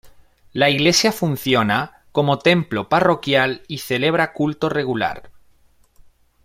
La iglesia funciona como templo parroquial y celebra culto regular.